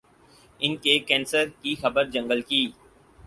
ان کے کینسر کی خبر جنگل کی